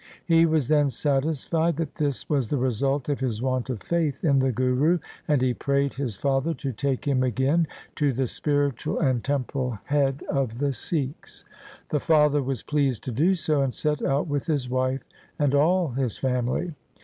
He was then satisfied that this was the result of his want of faith in the Guru, and he prayed his father to take him again to the spiritual and temporal head of the Sikhs. The father was pleased to do so, and set out with his wife and all his family.